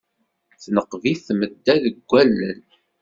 Tenqeb-it tmedda deg allen.